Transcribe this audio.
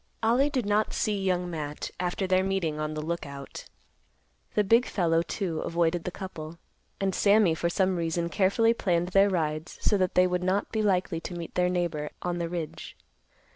Ollie did not see Young Matt after their meeting on the Lookout. The big fellow, too, avoided the couple, and Sammy, for some reason, carefully planned their rides so that they would not be likely to meet their neighbor an the ridge.